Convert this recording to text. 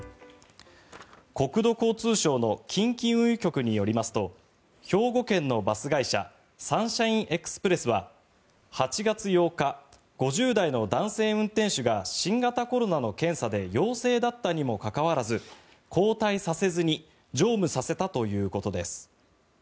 国土交通省の近畿運輸局によりますと兵庫県のバス会社サンシャインエクスプレスは８月８日５０代の男性運転手が新型コロナの検査で陽性だったにもかかわらず交代させずに乗務させたということです。